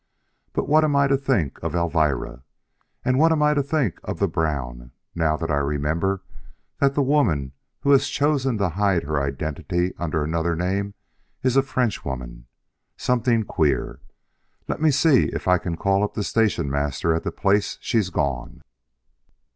But what am I to think of Elvira? And what am I to think of the Brown, now that I remember that the woman who has chosen to hide her identity under another name is a Frenchwoman. Something queer! Let me see if I can call up the station master at the place she's gone."